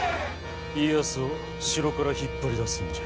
家康を城から引っ張り出すんじゃ。